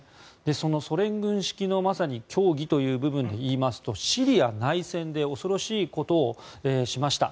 そのソ連軍式のまさに教義という部分で言いますとシリア内戦で恐ろしいことをしました。